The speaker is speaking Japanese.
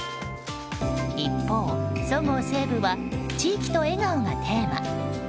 一方、そごう・西武は「地域と笑顔」がテーマ。